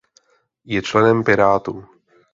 Je členem Pirátů.